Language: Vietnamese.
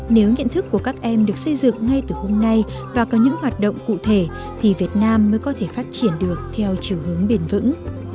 nếu nhận thức của các em được xây dựng ngay từ hôm nay và có những hoạt động cụ thể thì việt nam mới có thể phát triển được theo chiều hướng bền vững